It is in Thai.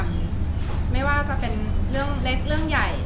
ไม่ว่าจะเป็นเรื่องเล็กเรื่องใหญ่